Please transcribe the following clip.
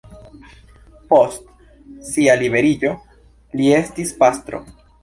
Post sia liberiĝo li estis pastro.